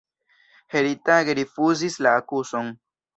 Heritage rifuzis la akuzon.